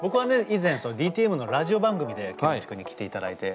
以前ＤＴＭのラジオ番組でケンモチ君に来ていただいて。